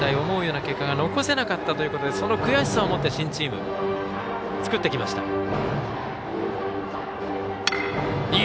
思うような結果が残せなかったということでその悔しさを持って新チーム、作ってきました。